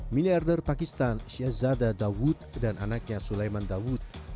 miliarder pakistan shiazada dawood dan anaknya sulaiman dawood